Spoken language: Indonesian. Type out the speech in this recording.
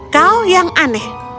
kau yang aneh